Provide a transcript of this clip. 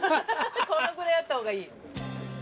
このぐらいあった方がいい。